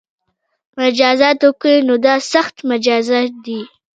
مجازاتو کې نو دا سخت مجازات دي